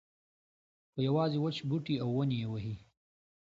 خو یوازې وچ بوټي او ونې یې وهي.